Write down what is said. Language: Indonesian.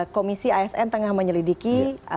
komisi asn tengah menyelidiki